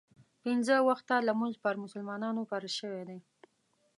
پنځه وخته لمونځ پر مسلمانانو فرض شوی دی.